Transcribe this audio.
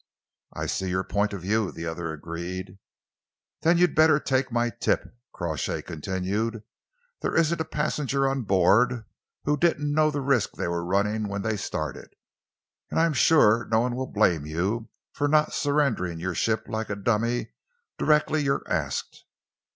"I see your point of view," the other agreed. "Then you'd better take my tip," Crawshay continued. "There isn't a passenger on board who didn't know the risk they were running when they started, and I'm sure no one will blame you for not surrendering your ship like a dummy directly you're asked.